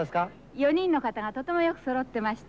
４人の方がとてもよくそろってました。